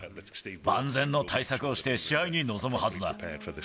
万全の対策をして試合に臨むはずだ。